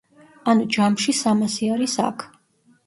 ანუ, ჯამში სამასი არის აქ.